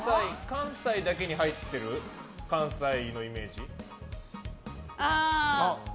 関西だけに入ってる関西のイメージ？